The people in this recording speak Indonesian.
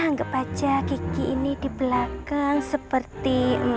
anggap aja gigi ini di belakang seperti